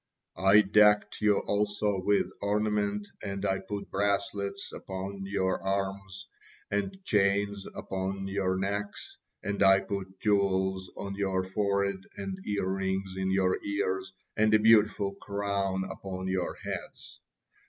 I decked you also with ornaments, and I put bracelets upon your arms, and chains about your necks. And I put jewels on your foreheads, and earrings in your ears, and a beautiful crown upon your heads.'